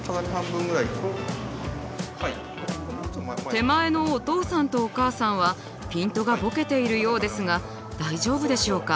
手前のおとうさんとおかあさんはピントがボケているようですが大丈夫でしょうか？